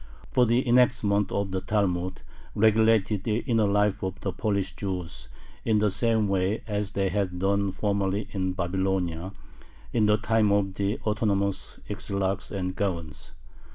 For the enactments of the Talmud regulated the inner life of the Polish Jews in the same way as they had done formerly in Babylonia, in the time of the autonomous Exilarchs and Gaons.